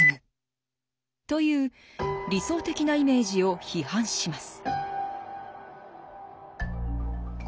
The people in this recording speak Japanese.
という理想的なイメージを批判します。